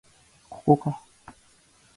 ここか